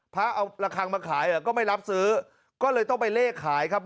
พระเอาระคังมาขายก็ไม่รับซื้อก็เลยต้องไปเลขขายครับ